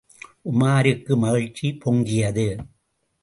உமாருக்கு மகிழ்ச்சி பொங்கியது.